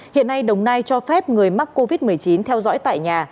hiện nay đồng nai cho phép người mắc covid một mươi chín theo dõi tại nhà